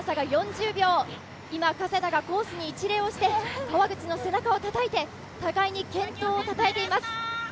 今、加世田がコースに一礼をして川口の背中をたたいて互いに健闘をたたえています。